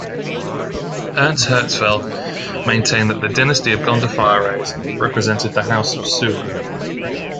Ernst Herzfeld maintained that the dynasty of Gondophares represented the House of Suren.